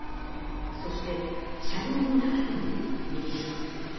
そして、車両の中という密室。